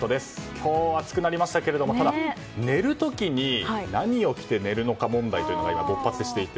今日は暑くなりましたけどただ、寝る時に何を着て寝るのか問題が今、勃発していて。